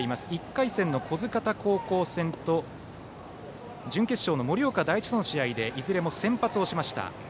１回戦の不来方高校戦と準決勝の盛岡第一との試合でいずれも先発をしました。